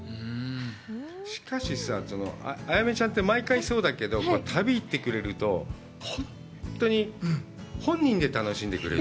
しかし彩芽ちゃんって、毎回そうだけど、旅行ってくれると本当に本人で楽しんでくれて。